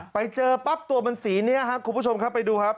ไปเจอปั๊บตัวมันสีนี้ครับคุณผู้ชมครับไปดูครับ